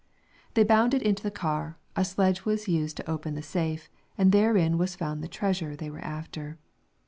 They bounded into the car, a sledge was used to open the safe, and therein was found the treasure they were after.